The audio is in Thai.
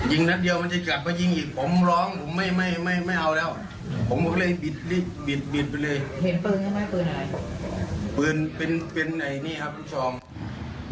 เป็นในนี่ครับผู้ชม